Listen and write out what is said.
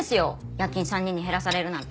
夜勤３人に減らされるなんて。